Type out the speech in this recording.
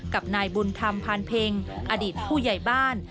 กับนายบุญธรรมพานเพ็งอดีตผู้ใหญ่บ้าน